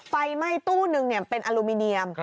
ไฟไหม้ตู้นึงเป็นอลูมิเนียม